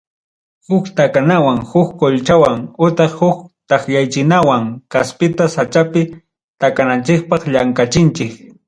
Huk takanawan, huk colchawan utaq huk takyaychinawanmi kaspita sachapi takananchikpaq llamkachinchik.